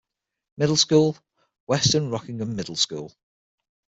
Middle School: Western Rockingham Middle School.